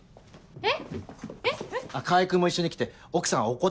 えっ？